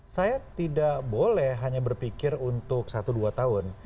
saya tidak boleh hanya berpikir untuk satu dua tahun